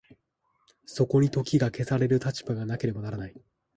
そこに時が消される立場がなければならない。